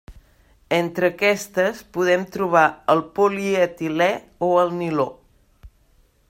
Entre aquestes podem trobar el polietilè o el niló.